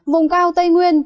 vùng cao tây nguyên